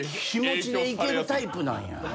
気持ちでいけるタイプなんや。